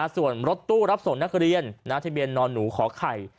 ส่วนรถตู้รับส่งนักเรียนทะเบียนนอนหนูขอไข่